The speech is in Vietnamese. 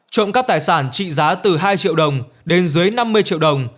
trộm cắp tài sản trị giá từ hai triệu đồng đến dưới năm mươi triệu đồng